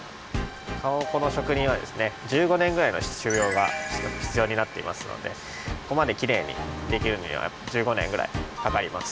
かまぼこのしょくにんはですね１５年ぐらいのしゅぎょうがひつようになっていますのでここまできれいにできるには１５年ぐらいかかります。